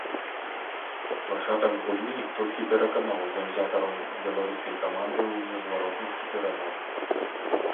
Пачатак гульні толькі пераканаў заўзятараў беларускай каманды ў незваротнасці перамогі.